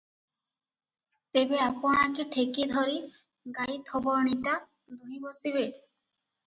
ତେବେ ଆପଣା କି ଠେକି ଧରି ଗାଈ ଥୋବଣିଟା ଦୁହିଁ ବସିବେ?